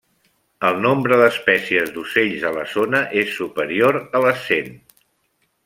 El nombre d'espècies d'ocells a la zona és superior a les cent.